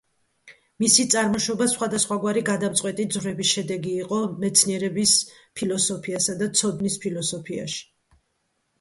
მისი წარმოშობა სხვადასხვაგვარი გადამწყვეტი ძვრების შედეგი იყო მეცნიერების ფილოსოფიასა და ცოდნის ფილოსოფიაში.